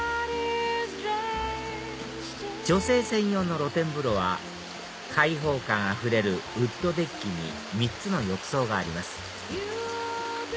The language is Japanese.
女性専用の露天風呂は開放感あふれるウッドデッキに３つの浴槽があります